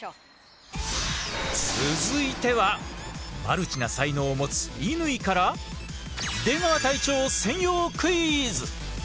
続いてはマルチな才能を持つ乾から出川隊長専用クイズ！